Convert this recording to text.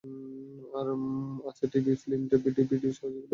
আরও আছে TV, film, DVD যেগুলো বইয়ের মতো ইস্যু করা হয়।